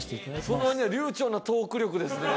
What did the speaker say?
その割には流暢なトーク力ですね。